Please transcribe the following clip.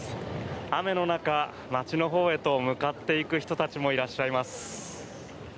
雨の中、街のほうへと向かっていく人たちもいらっしゃいます。